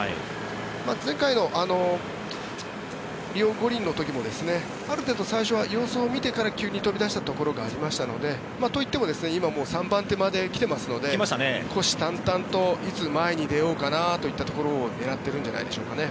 前回のリオ五輪の時もある程度最初は様子を見てから急に飛び出したところがありますのでといっても、今もう３番手まで来ていますので虎視眈々といつ前に出ようかなというところを狙ってるんじゃないでしょうかね。